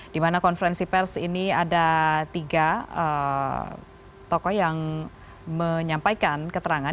di mana konferensi pers ini ada tiga tokoh yang menyampaikan keterangan